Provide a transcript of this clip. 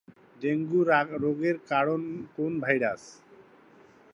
Dengue রোগের কারণ কোন ভাইরাস?